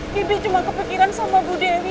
kib cuma kepikiran sama bu dewi